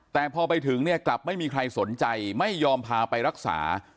แต่พอไปถึงเนี่ยกลับไม่มีใครสนใจไม่ยอมพาไปรักษา